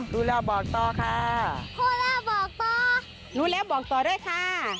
รู้แล้วบอกต่อด้วยค่ะ